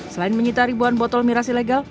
selain menyita ribuan botol miras ilegal